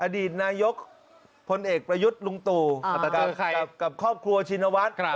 อดีตนายกพลเอกประยุทธ์ลุงตู่กับครอบครัวชินวัฒน์